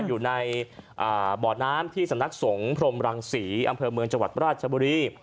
อยู่ในบ่อน้ำที่สำนักสงพรมรังศรีอำเภอเมืองจังหวัดราชบุรี